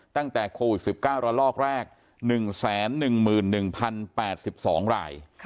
ตั้งแต่โควิด๑๙ระลอกแรก๑๑๑๐๘๒ราย